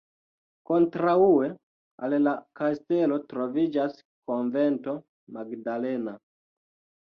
Kontraŭe al la kastelo troviĝas Konvento magdalena.